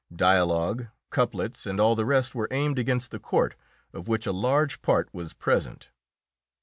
Dialogue, couplets, and all the rest were aimed against the court, of which a large part was present.